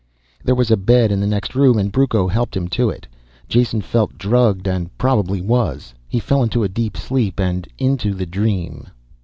There was a bed in the next room and Brucco helped him to it. Jason felt drugged and probably was. He fell into a deep sleep and into the dream.